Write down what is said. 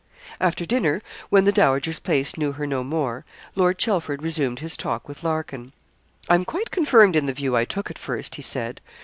After dinner, when the dowager's place knew her no more, Lord Chelford resumed his talk with Larkin. 'I am quite confirmed in the view I took at first,' he said.